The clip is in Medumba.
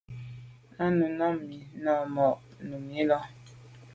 À nu am à num na màa nô num nà i.